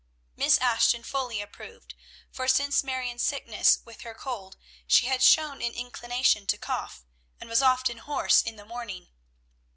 Miss Ashton fully approved; for since Marion's sickness with her cold, she had shown an inclination to cough, and was often hoarse in the morning.